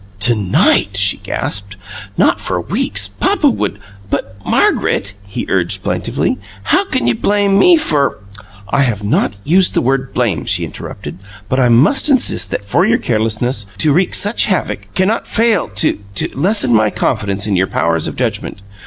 "To night!" she gasped. "Not for WEEKS! Papa would " "But Margaret," he urged plaintively, "how can you blame me for " "I have not used the word 'blame,'" she interrupted. "But I must insist that for your carelessness to to wreak such havoc cannot fail to to lessen my confidence in your powers of judgment.